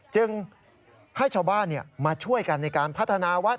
จึงให้ชาวบ้านมาช่วยกันในการพัฒนาวัด